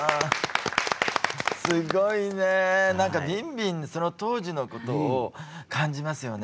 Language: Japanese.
すごいね何かビンビンその当時のことを感じますよね。